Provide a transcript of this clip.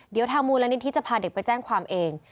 เดี๋ยวทางมูลนิธิจะพาเด็กไปแจ้งความเอง